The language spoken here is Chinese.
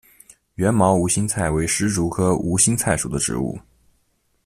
缘毛无心菜为石竹科无心菜属的植物。